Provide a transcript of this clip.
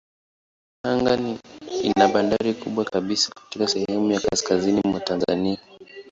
Tanga ina bandari kubwa kabisa katika sehemu ya kaskazini mwa Tanzania.